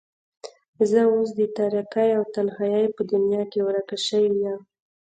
زه اوس د تاريکۍ او تنهايۍ په دنيا کې ورکه شوې يم.